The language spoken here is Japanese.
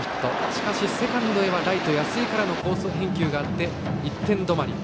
しかしセカンドへはライト安井からの好返球があって１点止まり。